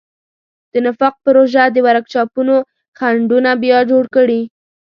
د نفاق پروژو د ورکشاپونو خنډونه بیا جوړ کړي.